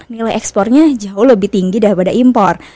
nilai ekspornya jauh lebih tinggi daripada impor